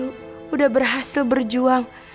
sudah berhasil berjuang